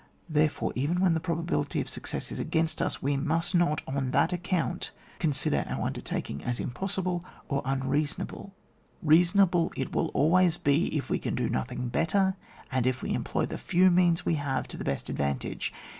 Therefore, even when the probability of success is against us, we must not, on that account, consider our undertaking as impossible or unreasonable; reason 98 ON WAR. able it will always be if we can do no thing better, and if we employ the few means we have to the best advantage.